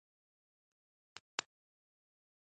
او په منځ کښې يې لويې ګردې ډبرې ايښوول سوې وې.